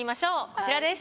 こちらです。